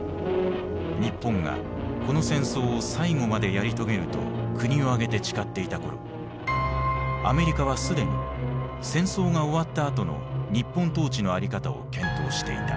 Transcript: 日本がこの戦争を最後までやり遂げると国を挙げて誓っていた頃アメリカは既に戦争が終わったあとの日本統治の在り方を検討していた。